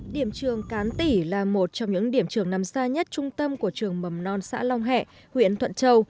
điểm trường cán tỉ là một trong những điểm trường nằm xa nhất trung tâm của trường mầm non xã long hẹ huyện thuận châu